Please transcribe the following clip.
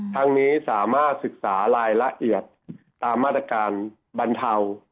ทั้งนี้สามารถศึกษารายละเอียดตามมาตรการบรรเทา